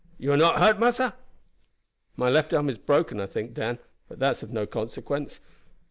You are not hurt, massa?" "My left arm is broken, I think, Dan; but that is of no consequence.